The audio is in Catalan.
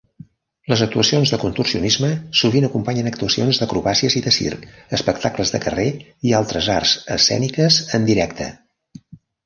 Les actuacions de contorsionisme sovint acompanyen actuacions d'acrobàcies i de circ, espectacles de carrer i altres arts escèniques en directe.